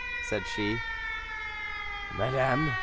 said she. "Madame, M.